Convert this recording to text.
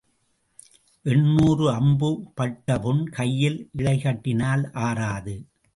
எண்ணூறு அம்பு பட்ட புண் கையில் இழை கட்டினால் ஆறாது.